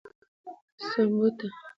سمبوټه